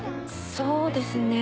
そうですね